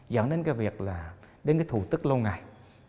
dẫn đến cái việc là đến cái thủ tức lâu ngày